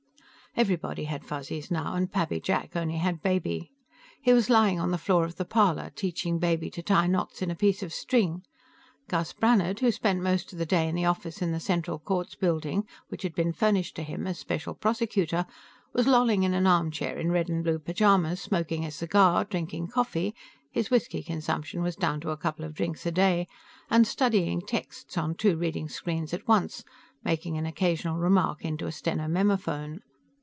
Everybody had Fuzzies now, and Pappy Jack only had Baby. He was lying on the floor of the parlor, teaching Baby to tie knots in a piece of string. Gus Brannhard, who spent most of the day in the office in the Central Courts building which had been furnished to him as special prosecutor, was lolling in an armchair in red and blue pajamas, smoking a cigar, drinking coffee his whisky consumption was down to a couple of drinks a day and studying texts on two reading screens at once, making an occasional remark into a stenomemophone.